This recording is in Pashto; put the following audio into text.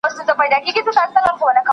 دا موسيقي له هغه خوږه ده؟